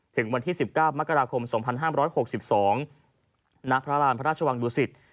ถึงวันที่๑๙มกราคม๒๕๖๒ณพระราณพระราชวังดุสิต